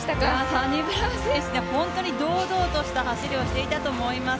サニブラウン選手、本当に堂々とした走りをしていたと思います。